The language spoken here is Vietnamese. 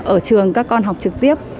ở trường các con học trực tiếp